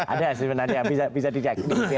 ada sebenarnya bisa dilihat